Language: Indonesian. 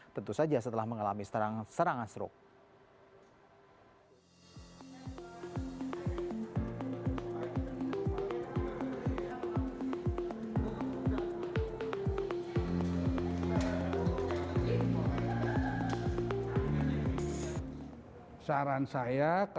tentu saja setelah mengalami serangan stroke